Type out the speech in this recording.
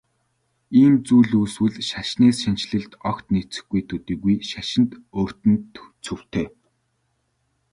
Ийм зүйл үүсвэл шашны шинэчлэлд огт нийцэхгүй төдийгүй шашинд өөрт нь цөвтэй.